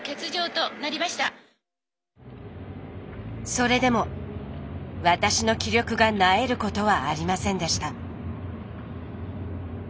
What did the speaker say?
それでも私の気力が萎えることはありませんでした。